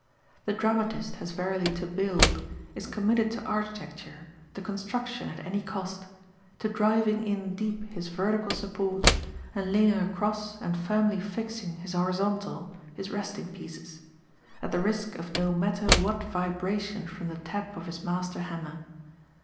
The dramatist has verily to BUILD, is committed to architecture, to construction at any cost; to driving in deep his vertical supports and laying across and firmly fixing his horizontal, his resting pieces at the risk of no matter what vibration from the tap of his master hammer.